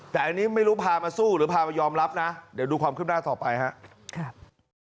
แต่อันนี้ไม่รู้พามาสู้หรือพามายอมรับนะเดี๋ยวดูความขึ้นหน้าต่อไปครับ